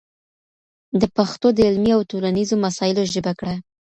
ده پښتو د علمي او ټولنيزو مسايلو ژبه کړه